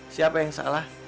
siapa yang salah